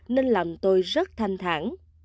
nên làm tôi rất thanh thản